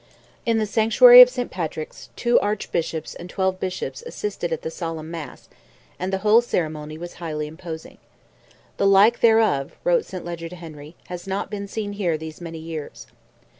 In the sanctuary of St. Patrick's, two Archbishops and twelve Bishops assisted at the solemn mass, and the whole ceremony was highly imposing. "The like thereof," wrote St. Leger to Henry, "has not been seen here these many years."